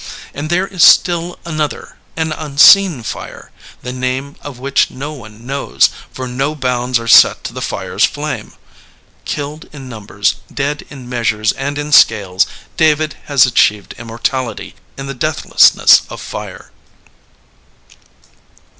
And there is still another, an unseen fire, the name of which no one knows, for no bounds are set to the fire's flame^ Killed in numbers, dead in measures and in scales, David has achieved immortality in the deathlessness of fire.